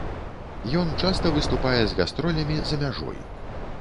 Ён часта выступае з гастролямі за мяжой.